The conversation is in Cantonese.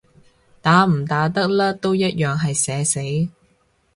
打唔打得甩都一樣係社死